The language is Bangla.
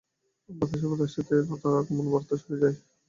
বাতাসে বাতাসে যেন তার আগমনবার্তা ছড়িয়ে যায়।